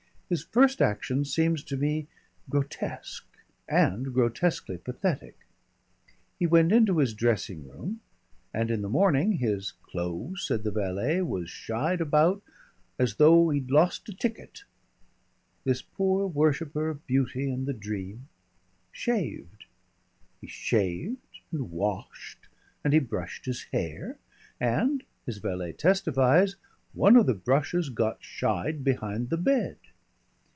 His first action seems to me grotesque and grotesquely pathetic. He went into his dressing room, and in the morning "his clo'es," said the valet, "was shied about as though 'e'd lost a ticket." This poor worshipper of beauty and the dream shaved! He shaved and washed and he brushed his hair, and, his valet testifies, one of the brushes got "shied" behind the bed.